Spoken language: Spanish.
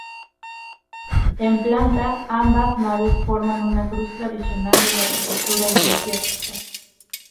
En planta, ambas naves forman una cruz tradicional de la arquitectura eclesiástica.